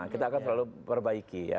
kita akan selalu perbaiki ya